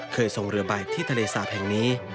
เคยส่งเรือใบที่ทะเลสาบแห่งนี้